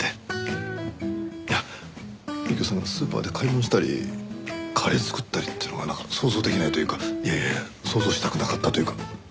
いや右京さんがスーパーで買い物したりカレー作ったりっていうのがなんか想像できないというかいやいやいや想像したくなかったというか。